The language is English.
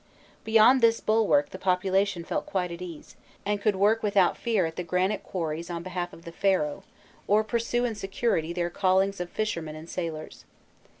Behind this bulwark the population felt quite at ease, and could work without fear at the granite quarries on behalf of the Pharaoh, or pursue in security their callings of fishermen and sailors.